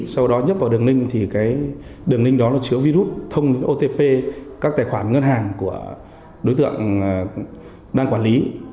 sau đó nhấp vào đường link thì cái đường link đó là chứa virus thông otp các tài khoản ngân hàng của đối tượng đang quản lý